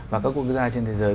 và các quốc gia trên thế giới